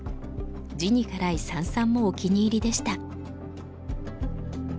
地に辛い三々もお気に入りでした。